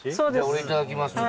俺いただきます。